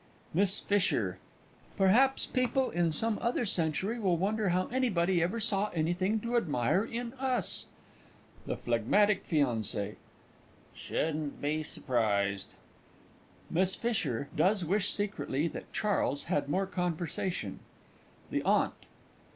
MISS F. Perhaps people in some other century will wonder how anybody ever saw anything to admire in us? THE PHL. F. Shouldn't be surprised. [MISS F. does wish secretly that CHARLES had more conversation. THE AUNT.